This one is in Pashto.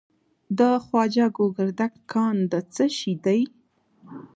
د خواجه ګوګردک کان د څه شي دی؟